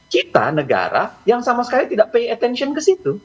kita negara yang sama sekali tidak pay attention ke situ